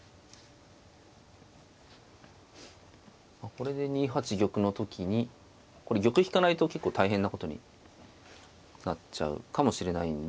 これで２八玉の時にこれ玉引かないと結構大変なことになっちゃうかもしれないんで。